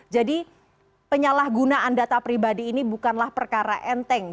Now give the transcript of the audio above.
jadi penyalahgunaan data pribadi ini bukanlah perkara enteng